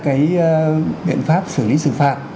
cái biện pháp xử lý xử phạt